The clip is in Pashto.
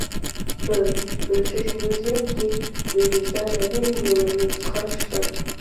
په برټش میوزیم کې د میرزا نامې یوه نسخه شته.